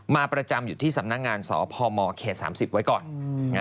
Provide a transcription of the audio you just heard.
มาประจำอยู่ที่สำนักงานสพมเขต๓๐ไว้ก่อน